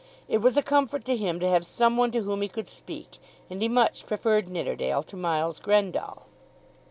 It was a comfort to him to have someone to whom he could speak, and he much preferred Nidderdale to Miles Grendall.